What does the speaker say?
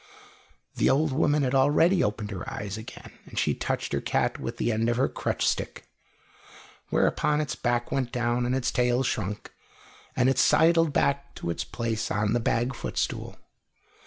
The old woman had already opened her eyes again, and she touched her cat with the end of her crutch stick, whereupon its back went down and its tail shrunk, and it sidled back to its place on the bag footstool.